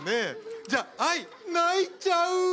じゃあ「哀」泣いちゃう。